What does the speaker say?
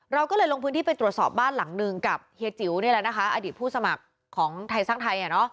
เราก็เลยลงพื้นที่ไปตรวจสอบบ้านหลังนึงกับเฮียจิ๋วนี่แหละนะคะอดีตผู้สมัครของไทยสร้างไทย